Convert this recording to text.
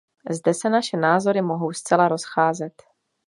Zde se naše názory mohou zcela rozcházet.